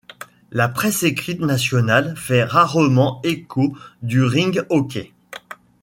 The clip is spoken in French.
La presse écrite nationale fait rarement échos du rink hockey.